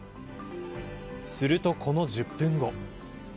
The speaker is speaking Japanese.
すると、この１０分後。